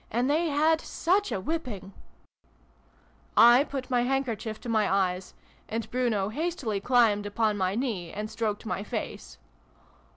And they had such a whipping !" (I put my handkerchief to my eyes, and Bruno hastily climbed upon my knee and stroked my face.